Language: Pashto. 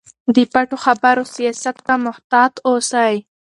د پټو خبرو سیاست ته محتاط اوسئ.